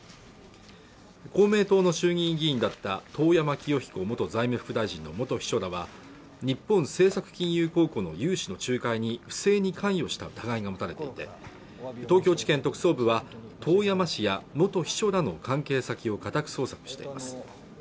公明党の衆議院議員だった遠山清彦元財務副大臣の元秘書らは日本政策金融公庫の融資の仲介に不正に関与した疑いが持たれていて東京地検特捜部は遠山氏や元秘書らの関係先を家宅捜索しています